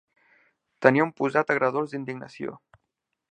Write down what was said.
Tenia un posat agredolç d'indignació.